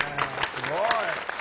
すごい。